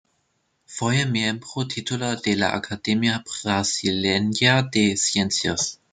Fue miembro titular de la Academia Brasileña de Ciencias.